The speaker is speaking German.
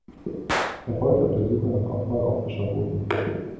Er folgt auf der Suche nach Abfall auch Fischerbooten.